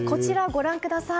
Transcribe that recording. ご覧ください。